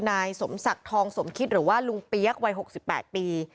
นายสมศักดิ์ทองสมคิตหรือว่าลุงเปี๊ยกวัย๖๘ปี